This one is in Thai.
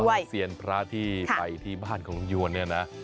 เซียนพระที่ไปที่บ้านของลุงยวนเนี่ยนะ